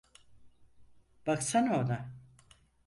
Baksana ona.